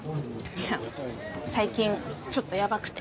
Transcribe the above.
いや最近ちょっとヤバくて。